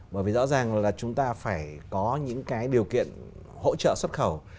bởi vì rõ ràng là chúng ta phải có những cái điều kiện hỗ trợ xuất khẩu